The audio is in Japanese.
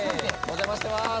お邪魔してます